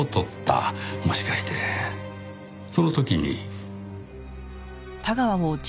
もしかしてその時に。